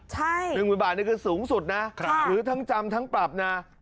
ใช่๑๐๐บาทนี่คือสูงสุดนะหรือทั้งจำทั้งปรับนะ